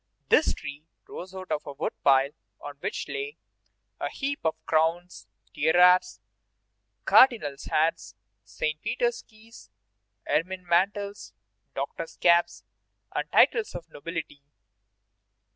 This tree rose out of a wood pile on which lay a heap of crowns, tiaras, cardinals' hats, Saint Peter's keys, ermine mantles, doctors' caps, and titles of nobility.